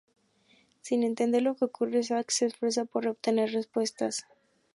Sin entender lo que ocurre, Zach se esfuerza por obtener respuestas.